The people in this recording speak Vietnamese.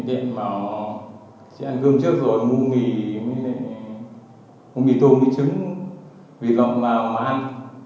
chị bảo chị ăn cơm trước rồi mũ mì mũ mì tôm mũi trứng vịt lọc vào mà ăn